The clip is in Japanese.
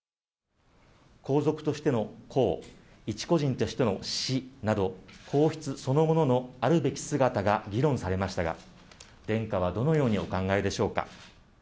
皇族としての公、一個人としての私など、皇室そのもののあるべき姿が議論されましたが、殿下はどのようにお考えでしょうか？